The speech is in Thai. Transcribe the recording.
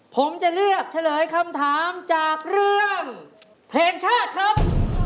ผมจะเลือกเฉลยคำถามจากเรื่องเพลงชาติครับ